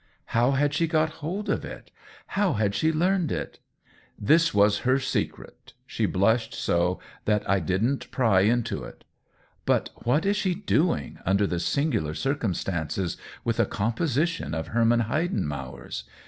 How had she got hold of it ? How had she learn ed it ? This was her secret — she blushed so 144 COLLABORATION \l that I didn't pry into it. But what is she doing, under the singular circumstances, with a composition of Herman Heiden mauer's